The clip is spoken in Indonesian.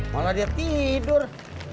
malah dia tidur